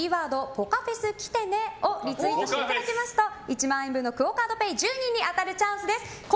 「＃ぽかＦＥＳ来てね」とリツイートしていただきますと１万円分のＱＵＯカードＰａｙ１０人に当たるチャンスです。